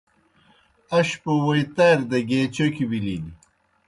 اشپوْ ووئی تاریْ دہ گیے چوکیْ بِلِن۔